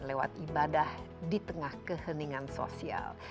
lewat ibadah di tengah keheningan sosial